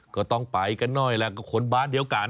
ก็ต้องไปกันหน่อยแหละก็คนบ้านเดียวกัน